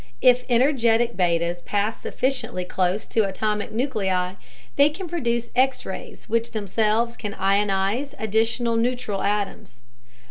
If energetic betas pass sufficiently close to atomic nuclei, they can produce X rays which themselves can ionize additional neutral atoms.